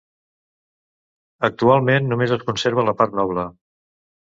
Actualment només es conserva la part noble.